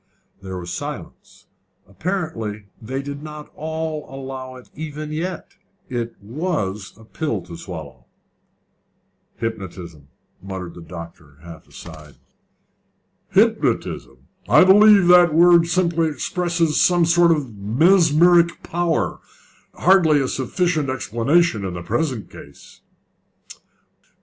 There was silence. Apparently they did not all allow it even yet: it was a pill to swallow. "Hypnotism," muttered the doctor, half aside. "Hypnotism! I believe that the word simply expresses some sort of mesmeric power hardly a sufficient explanation in the present case."